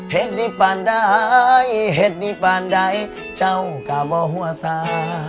เหตุดีป่านใดเหตุดีป่านใดเจ้าก็บ่หัวสา